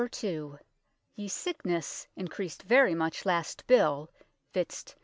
2. Ye sicknesse encreased very much last bill, vizt.